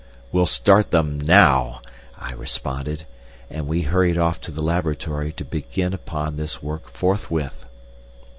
"We'll start them now," I responded, and we hurried off to the laboratory to begin upon this work forthwith.